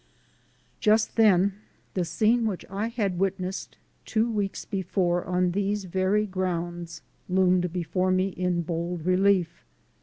Just then the scene which I had witnessed two weeks before on these very grounds loomed before me in bold relief.